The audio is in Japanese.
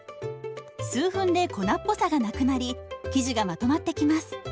数分で粉っぽさがなくなり生地がまとまってきます。